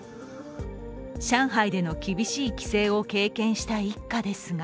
上海での厳しい規制を経験した一家ですが